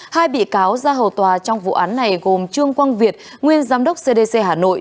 hai bị cáo ra hầu tòa trong vụ án này gồm trương quang việt nguyên giám đốc cdc hà nội